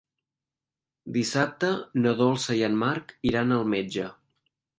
Dissabte na Dolça i en Marc iran al metge.